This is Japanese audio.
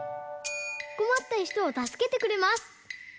こまったひとをたすけてくれます。